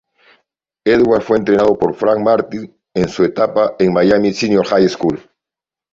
Edwards fue entrenado por Frank Martin en su etapa en Miami Senior High School.